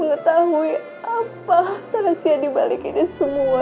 ngetahui apa terasihan dibalik ini semua